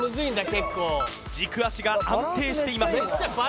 軸足が安定しています